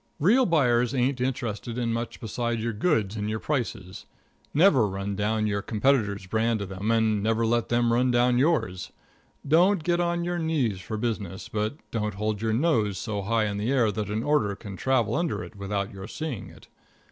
Real buyers ain't interested in much besides your goods and your prices. Never run down your competitor's brand to them, and never let them run down yours. Don't get on your knees for business, but don't hold your nose so high in the air that an order can travel under it without your seeing it.